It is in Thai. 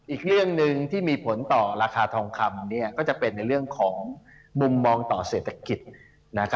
อีกเรื่องหนึ่งที่มีผลต่อราคาทองคำก็จะเป็นในเรื่องของมุมมองต่อเศรษฐกิจ